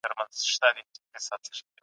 خپلي خبري په ساده او هنري ژبه وکړه.